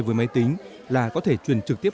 với máy tính là có thể truyền trực tiếp